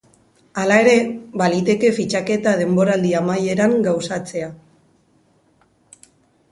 Hala ere, baliteke fitxaketa denboraldi amaieran gauzatzea.